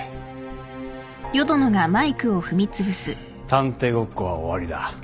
探偵ごっこは終わりだ。